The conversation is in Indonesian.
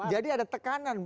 jadi ada tekanan bu ansin